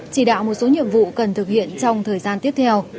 chỉ đạo một số nhiệm vụ cần thực hiện trong thời gian tiếp theo